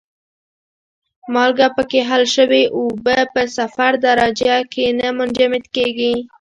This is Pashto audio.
مالګه پکې حل شوې اوبه په صفر درجه کې نه منجمد کیږي.